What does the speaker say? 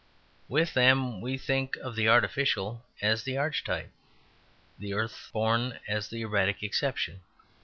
With them we think of the artificial as the archetype; the earth born as the erratic exception.